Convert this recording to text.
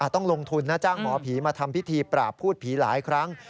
ต้องลงทุนนะจ้างหมอผีมาทำพิธีปราบพูดผีหลายครั้ง